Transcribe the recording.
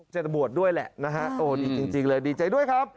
จะบวชด้วยแหละนะฮะโอ้ดีจริงเลยดีใจด้วยครับ